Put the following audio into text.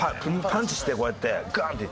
パンチしてこうやってガンって。